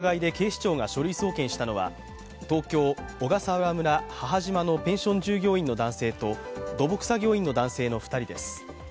自然公園法違反の疑いで警視庁が書類送検したのは東京・小笠原村母島のペンション従業員の男性と土木作業員の男性の２人です。